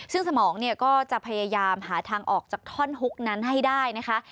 ซึ่งสมองเนี่ยก็จะพยายามหาทางออกจากท่อนฮุกนั้นให้ได้นะคะ